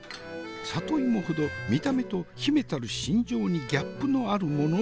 里芋ほど見た目と秘めたる心情にギャップのある者はおるまい。